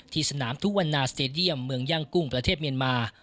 สนามทุกวันนาสเตดียมเมืองย่างกุ้งประเทศเมียนมา